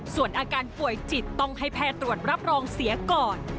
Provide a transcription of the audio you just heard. ส่วนอาการป่วยจิตต้องให้แพทย์ตรวจรับรองเสียก่อน